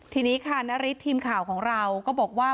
ทีนี้ค่ะนาริสทีมข่าวของเราก็บอกว่า